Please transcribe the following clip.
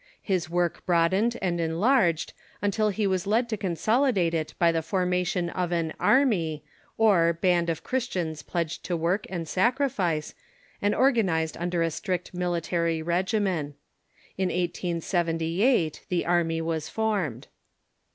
His work broadened and enlarged until he was led to consolidate it by the formation of an " Army," or band of Christians pledged to Avork and sacrifice, and organized under a strict nlilitary regimen. In 1878 the Army was formed.